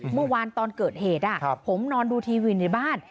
เมื่อวานตอนเกิดเหตุผมนอนดูทีวีอยู่ในบ้าน